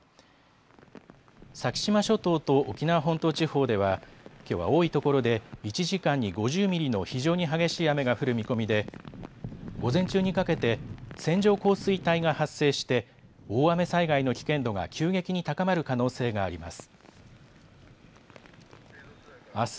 先島諸島と沖縄本島地方ではきょうは多いところで１時間に５０ミリの非常に激しい雨が降る見込みで午前中にかけて線状降水帯が発生して大雨災害の危険度が急激に高まる可能性があります。